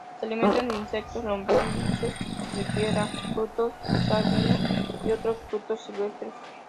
Se alimenta de insectos, lombrices de tierra, frutos de sabina y otros frutos silvestres.